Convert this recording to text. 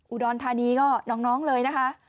อุดรธานีก็น้องเลยนะคะ